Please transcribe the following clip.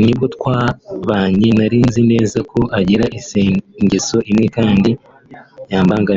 n’ubwo twabanye nari nzi neza ko agira ingeso imwe kandi yambangamiraga